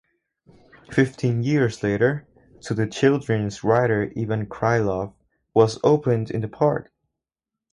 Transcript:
Fifteen years later, to the children's writer Ivan Krylov was opened in the park.